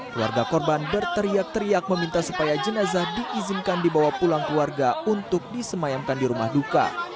keluarga korban berteriak teriak meminta supaya jenazah diizinkan dibawa pulang keluarga untuk disemayamkan di rumah duka